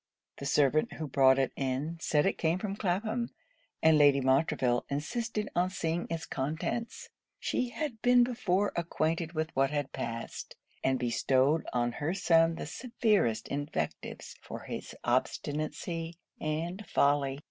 The servant who brought it in, said it came from Clapham; and Lady Montreville insisted on seeing its contents. She had been before acquainted with what had passed; and bestowed on her son the severest invectives for his obstinacy and folly.